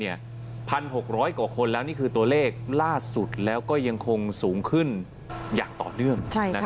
๑๖๐๐กว่าคนแล้วนี่คือตัวเลขล่าสุดแล้วก็ยังคงสูงขึ้นอย่างต่อเนื่อง